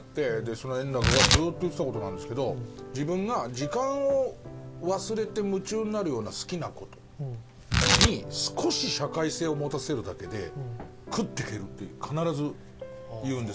その円楽がずっと言ってた事なんですけど自分が時間を忘れて夢中になるような好きな事に少し社会性を持たせるだけで食っていけるって必ず言うんです。